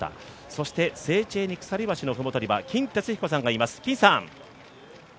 そしてセーチェーニ鎖橋の麓には金哲彦さんがいます。